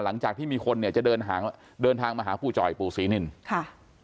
หลังจากที่มีคนเนี่ยจะเดินหาเดินทางมาหาปู่จ่อยปู่ศรีนินค่ะ